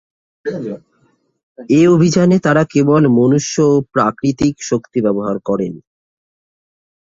এ অভিযানে তারা কেবল মনুষ্য ও প্রাকৃতিক শক্তি ব্যবহার করেন।